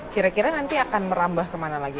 kira kira nanti akan merambah kemana lagi